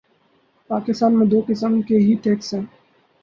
پاکستان میں دو قسم کے ہی ٹیکس ہیں۔